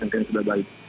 yang sudah baik